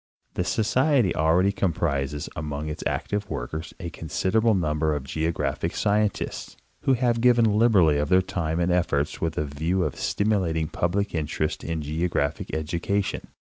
The Society already comprises among its active workers a considerable number of geographic scientists, who have given liberally of their time and 'efforts with a view of stimulating public interest in geographic education.